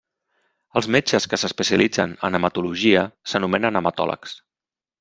Els metges que s'especialitzen en hematologia s'anomenen hematòlegs.